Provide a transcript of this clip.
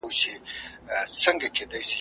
او د خلکو ټول ژوندون په توکل وو ,